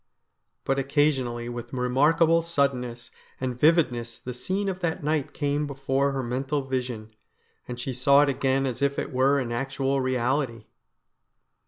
But occasionally with remarkable suddenness and vividness the scene of that night came before her mental vision, and she saw it again as if it were an actual reality.